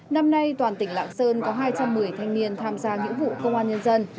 năm nay toàn tỉnh lạng sơn có hai trăm một mươi thanh niên tham gia nghĩa vụ công an nhân dân